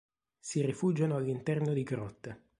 Si rifugiano all'interno di grotte.